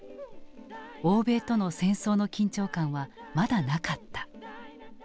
欧米との戦争の緊張感はまだなかった。